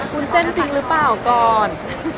เส้นจริงหรือเปล่าก่อน